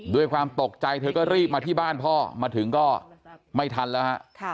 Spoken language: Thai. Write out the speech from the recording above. ด้วยความตกใจเธอก็รีบมาที่บ้านพ่อมาถึงก็ไม่ทันแล้วฮะ